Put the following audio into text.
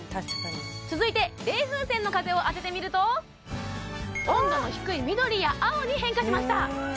続いて冷風扇の風を当ててみると温度の低い緑や青に変化しましたへえ